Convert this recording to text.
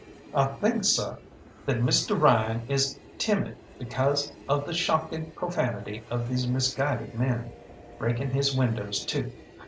"I think, seh, that Misteh Ryan is timid, bekase of the shocking profanity of these misguided men, breaking his windows, too.